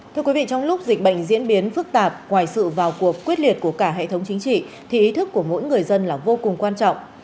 thưa quý vị trong lúc dịch bệnh diễn biến phức tạp ngoài sự vào cuộc quyết liệt của cả hệ thống chính trị thì ý thức của mỗi người dân là vô cùng quan trọng